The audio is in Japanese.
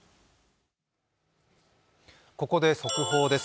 ここで速報です。